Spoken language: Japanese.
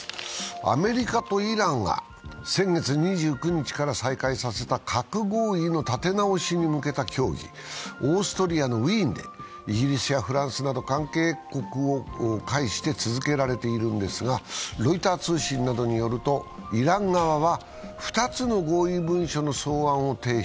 アメリカとイランが先月２９日から再開させた核合意の立て直しに向けた協議をオーストリアのウイーンでイギリスやフランスなど関係国を介して続けられているんですがロイター通信などによると、イラン側は２つの合意文書の草案を提出。